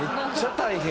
大変！